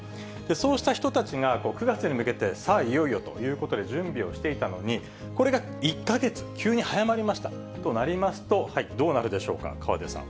そうした人たちが９月に向けて、さあ、いよいよということで準備をしていたのに、これが１か月、急に早まりましたとなりますと、どうなるでしょうか？